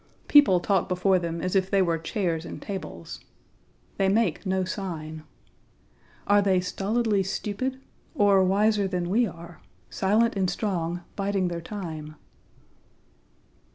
People talk before them as if they were chairs and tables. They make no sign. Are they stolidly stupid? or wiser than we are; silent and strong, biding their time?